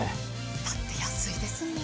だって安いですもん。